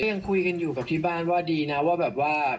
ยังคุยกันอยู่กับที่บ้านว่าดีนะว่าแบบว่า